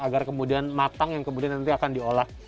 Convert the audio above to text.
agar kemudian matang yang kemudian nanti akan diolah